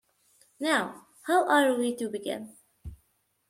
Now, how are we to begin?